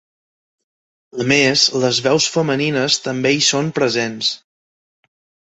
A més, les veus femenines també hi són presents.